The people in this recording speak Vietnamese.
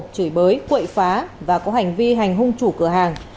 chửi bới quậy phá và có hành vi hành hung chủ cửa hàng